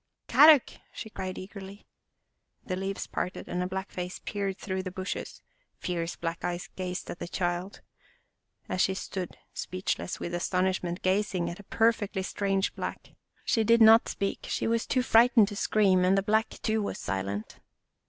" Kadok!" she cried eagerly. The leaves parted and a black face peered through the bushes, fierce black eyes gazed at the child, as she stood speechless with astonishment, gazing at a perfectly strange Black. She did not speak, she was too frightened to scream, and the Black too was silent.